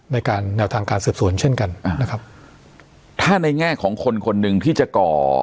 ในการแนวทางการสืบสวนเช่นกันอ่านะครับถ้าในแง่ของคนคนหนึ่งที่จะก่อ